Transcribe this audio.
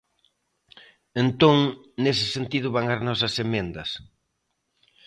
Entón, nese sentido van as nosas emendas.